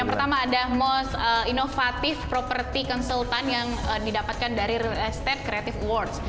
pertama ada most innovative property consultant yang didapatkan dari real estate creative awards